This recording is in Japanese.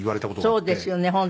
そうですよね本当。